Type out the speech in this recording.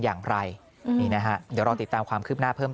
อย่างไรนะครับเดี๋ยวติดตามความคลิบหน้าเพิ่ม